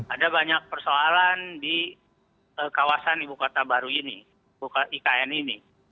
ada banyak persoalan di kawasan ibu kota baru ini ikn ini